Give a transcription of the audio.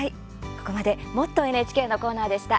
ここまで「もっとＮＨＫ」のコーナーでした。